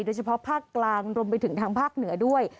โดยเฉพาะภาคกลางรวมไปถึงทางภาคเหนือด้วย